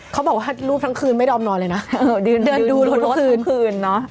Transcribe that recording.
เขาบอกว่าถ้ารูกทั้งคืนไม่ได้ออมนอนเลยนะดื่นดูรถทั้งคืน